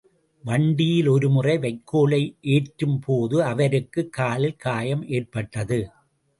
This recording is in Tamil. வண்டியில் ஒரு முறை வைக்கோலை ஏற்றும் போது, அவருக்குக் காலில் காயம் ஏற்பட்டது.